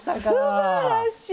すばらしい。